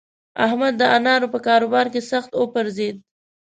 احمد د انارو په کاروبار کې سخت وپرځېد.